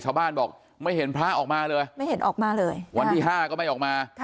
ชาวบ้านบอกไม่เห็นพระออกมาเลยวันที่๕ก็ไม่ออกมา